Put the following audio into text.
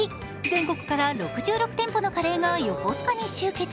全国から６６店舗のカレーが横須賀に集結。